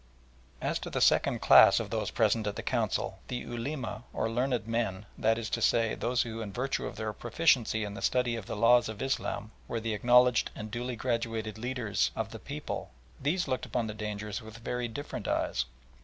As to the second class of those present at the Council, the Ulema, or "learned men," that is to say, those who in virtue of their proficiency in the study of the laws of Islam were the acknowledged and duly graduated religious leaders of the people, these looked upon the danger with very different eyes.